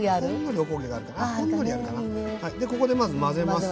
でここでまず混ぜます。